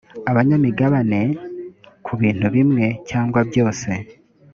abanyamigabane ku bintu bimwe cyangwa byose